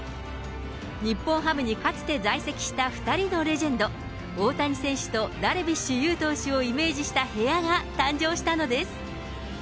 日本ハムにかつて在籍した２人のレジェンド、大谷選手とダルビッシュ有投手をイメージした部屋が誕生したのです。